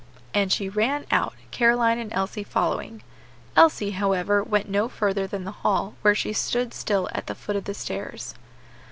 And she ran out, Caroline and Elsie following. Elsie, however, went no further than the hall, where she stood still at the foot of the stairs.